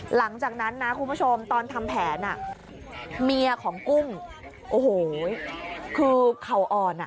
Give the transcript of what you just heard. หลังจากนั้นนะคุณผู้ชมตอนทำแผนเมียของกุ้งโอ้โหคือเขาอ่อนอ่ะ